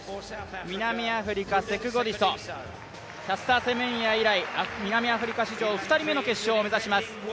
南アフリカセクゴディソ、セメンヤ以来南アフリカ史上２人目の決勝を目指します。